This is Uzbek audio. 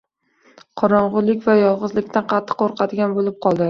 qorong‘ulik va yolg‘izlikdan qattiq qo‘rqadigan bo‘lib qoladilar.